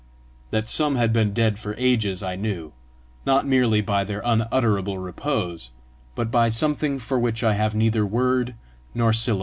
That some had been dead for ages I knew, not merely by their unutterable repose, but by something for which I have neither word nor symbol.